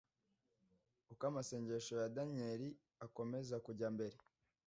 Uko amasengesho ya Daniyeli akomeza kujya mbere,